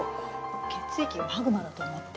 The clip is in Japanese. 血液がマグマだと思って。